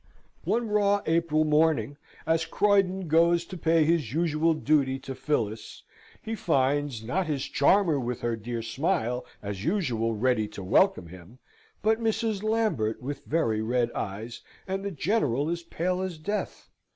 One raw April morning, as Corydon goes to pay his usual duty to Phillis, he finds, not his charmer with her dear smile as usual ready to welcome him, but Mrs. Lambert, with very red eyes, and the General as pale as death.